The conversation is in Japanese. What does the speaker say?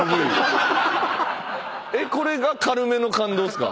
これが軽めの感動っすか？